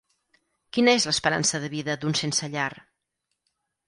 Quina és l'esperança de vida d'un sense llar?